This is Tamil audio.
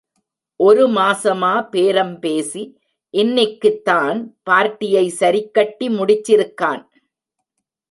ஒரு மாசமா பேரம் பேசி, இன்னிக்குதான் பார்ட்டியை சரிக்கட்டி முடிச்சிருக்கான்.